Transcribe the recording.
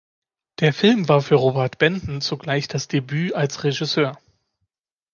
Der Film war für Robert Benton zugleich das Debüt als Regisseur.